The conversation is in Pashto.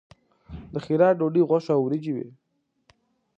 د خیرات ډوډۍ غوښه او وریجې وي.